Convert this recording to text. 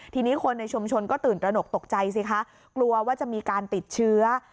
ทีนี้คนในชุมชนก็ตื่นตระหนกตกใจสิคะกลัวว่าจะมีการติดเชื้อ